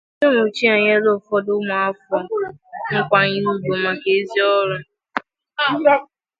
Korona: Ndị Ụmụchu Enyela Ụfọdụ Ụmụafọ Nkwanyeugwu Maka Ezi Ọrụ